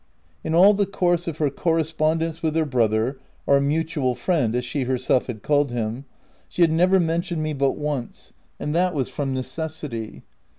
— In all the course of her correspondence with her brother (our mutual friend, as she herself had called him), she had never mentioned me but once — and that was from necessity.